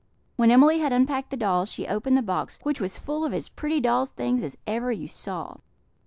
When Emily had unpacked the doll, she opened the box, which was full of as pretty doll's things as ever you saw.